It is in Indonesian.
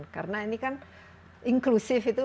karena ini kan inklusif itu